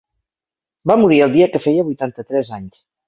Va morir el dia que feia vuitanta-tres anys.